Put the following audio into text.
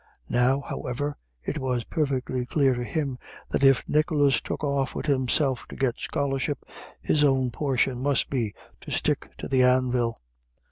Now, however, it was perfectly clear to him that if Nicholas "took off wid himself to get scholarship," his own portion must be to stick to the anvil.